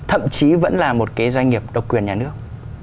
thậm chí vẫn là một cái doanh nghiệp độc quyền nhà nước